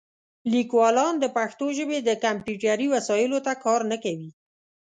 لیکوالان د پښتو ژبې د کمپیوټري وسایلو ته کار نه کوي.